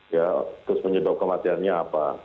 ya terus penyebab kematiannya apa